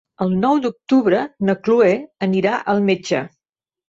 El nou d'octubre na Cloè anirà al metge.